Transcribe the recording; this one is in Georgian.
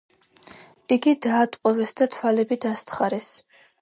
იგი დაატყვევეს და თვალები დასთხარეს.